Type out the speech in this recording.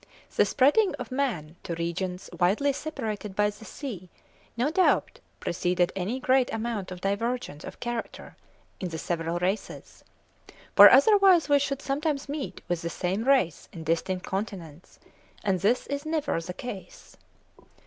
The spreading of man to regions widely separated by the sea, no doubt, preceded any great amount of divergence of character in the several races; for otherwise we should sometimes meet with the same race in distinct continents; and this is never the case.